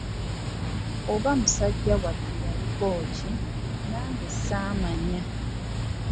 Oba musajja wattu yaliko ki, nange ssamanya!